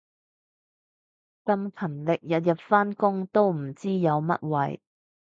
咁勤力日日返工都唔知有乜謂